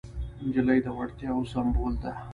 نجلۍ د وړتیاوو سمبول ده.